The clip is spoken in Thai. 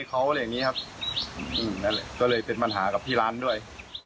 ก็เลยเป็นปัญหากับพี่ร้านด้วย